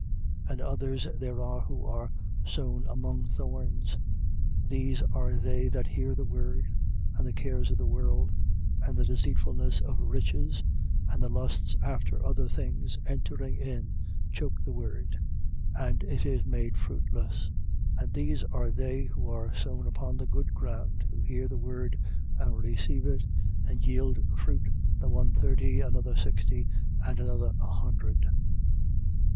4:18. And others there are who are sown among thorns: these are they that hear the word, 4:19. And the cares of the world, and the deceitfulness of riches, and the lusts after other things entering in choke the word, and it is made fruitless. 4:20. And these are they who are sown upon the good ground, who hear the word, and receive it, and yield fruit, the one thirty, another sixty, and another a hundred.